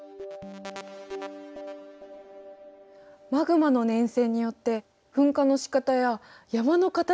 マグマの粘性によって噴火のしかたや山の形まで変わるんだ。